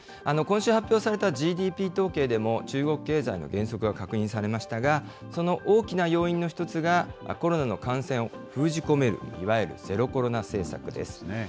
今週発表されたＧＤＰ統計でも、中国経済の減速が確認されましたが、その大きな要因の一つが、コロナの感染を封じ込める、いわゆるゼロコロナ政策です。